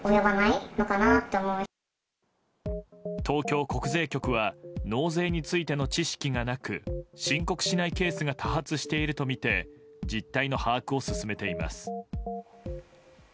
東京国税局は納税についての知識がなく申告しないケースが多発しているとみて実態の把握を進めています。